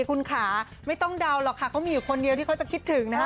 คุณขาไม่ต้องเดาหรอกค่ะเขามีอยู่คนเดียวที่เขาจะคิดถึงนะคะ